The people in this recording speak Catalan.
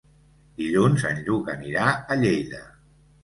Dilluns en Lluc anirà a Lleida.